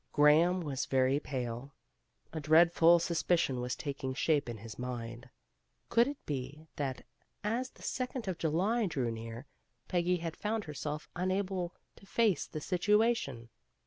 Graham was very pale. A dreadful sus picion was taking shape in his mind. Could it be that, as the second of July drew near, Peggy had found herself unable to face the situation?